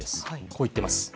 こう言っています。